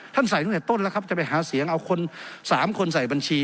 ท่านใส่ห้วงในต้นแล้วครับจะไปหาเสียงเอาสามคนใส่บัญชี